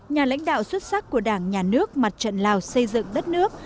nhà lãnh đạo xuất sắc của đảng nhà nước mặt trận lào xây dựng đất nước